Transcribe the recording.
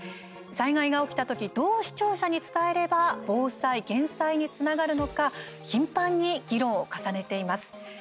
災害が起きた時どう視聴者に伝えれば防災・減災につながるのか頻繁に議論を重ねています。